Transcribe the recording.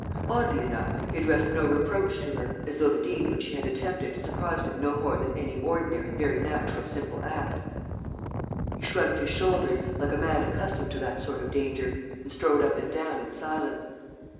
Oddly enough, he addressed no reproach to her, as though the deed which she had attempted surprised him no more than any ordinary, very natural and simple act. He shrugged his shoulders, like a man accustomed to that sort of danger, and strode up and down in silence.